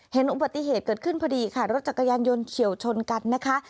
เห็นอุบัติเหตุเกิดขึ้นพอดีค่ะรถจักรยานยนต์เฉียวชนกันนะคะ